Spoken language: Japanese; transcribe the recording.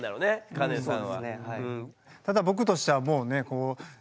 カネさん